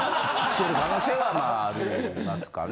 可能性はまあありますかね。